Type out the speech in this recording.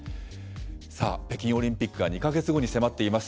さあ、北京オリンピックが２か月後に迫っています。